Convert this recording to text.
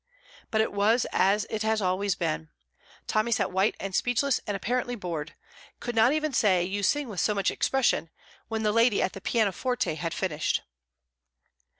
But it was as it had always been. Tommy sat white and speechless and apparently bored; could not even say, "You sing with so much expression!" when the lady at the pianoforte had finished.